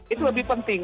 itu lebih penting